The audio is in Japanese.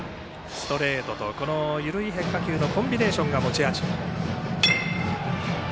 ストレートと緩い変化球のコンビネーションが持ち味。